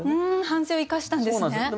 反省を生かしたんですね。